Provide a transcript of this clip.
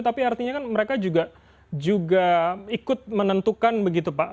tapi artinya kan mereka juga ikut menentukan begitu pak